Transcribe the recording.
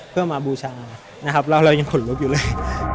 เพื่อมาบูชาเรายังขนลุกอยู่เลย